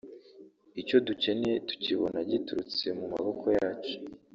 icyo dukeneye tukibona giturutse mu maboko yacu”